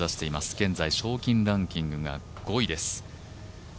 現在賞金ランキングが５位です。